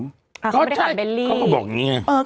เขาไม่ได้ขับเบนลี่เขาก็บอกอย่างนี้ไง